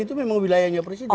itu memang wilayahnya presiden